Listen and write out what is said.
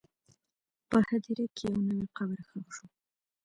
په هدیره کې یو نوی قبر ښخ شو.